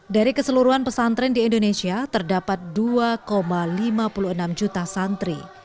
dari keseluruhan pesantren di indonesia terdapat dua lima puluh enam juta santri